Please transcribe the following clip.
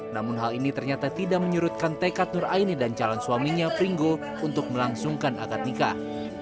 namun hal ini ternyata tidak menyurutkan tekad nur aini dan calon suaminya pringgo untuk melangsungkan akad nikah